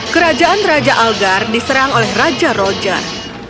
kerajaan raja algar diserang oleh raja roger